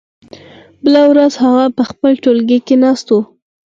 بله ورځ هغه په خپل ټولګي کې ناست و.